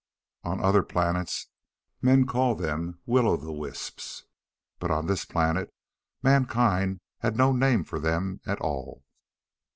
On other planets men call them "Will o' the wisps," but on this planet mankind had no name for them at all.